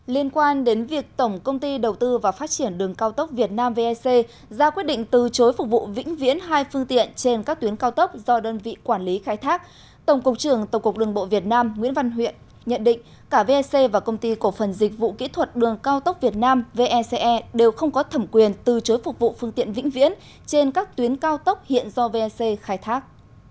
liên quan đến việc tổng công ty đầu tư và phát triển đường cao tốc việt nam vec ra quyết định từ chối phục vụ vĩnh viễn hai phương tiện trên các tuyến cao tốc do đơn vị quản lý khai thác tổng cục trưởng tổng cục đường bộ việt nam nguyễn văn huyện nhận định cả vec và công ty cổ phần dịch vụ kỹ thuật đường cao tốc việt nam vec đều không có thẩm quyền từ chối phục vụ phương tiện vĩnh viễn trên các tuyến cao tốc hiện do vec khai thác